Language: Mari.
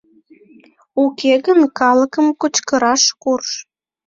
Уке гын, калыкым кычкыраш курж.